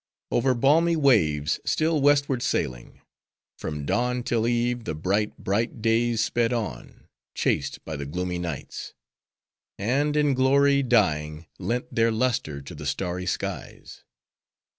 Over balmy waves, still westward sailing! From dawn till eve, the bright, bright days sped on, chased by the gloomy nights; and, in glory dying, lent their luster to the starry skies.